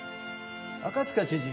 赤塚知事